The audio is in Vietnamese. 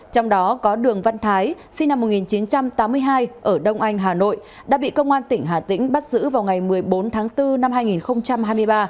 trong đó có đường văn thái sinh năm một nghìn chín trăm tám mươi hai ở đông anh hà nội đã bị công an tỉnh hà tĩnh bắt giữ vào ngày một mươi bốn tháng bốn năm hai nghìn hai mươi ba